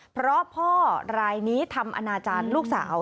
เพราะพ่อรายนี้ทำอนาจารย์ลูกสาว